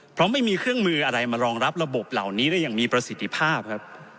เพราะไม่มีเครื่องมืออะไรมารองรับระบบเหล่านี้ได้อย่างมีประสิทธิภาพครับ